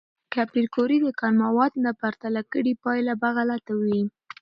که پېیر کوري د کان مواد نه پرتله کړي، پایله به غلطه وي.